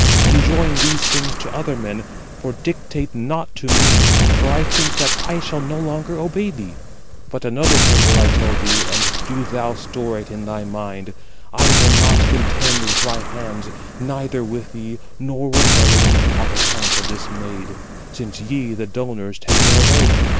Enjoin these things to other men; for dictate not to me, for I think that I shall no longer obey thee. But another thing will I tell thee, and do thou store it in thy mind: I will not contend with my hands, neither with thee, nor with others, on account of this maid, since ye, the donors, take her away.